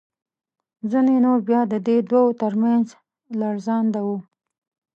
ځینې نور بیا د دې دوو تر منځ لړزانده وو.